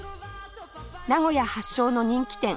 名古屋発祥の人気店